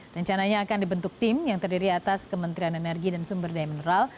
rencananya akan dibentuk tim yang terdiri atas kementerian energi dan sumber daya mineral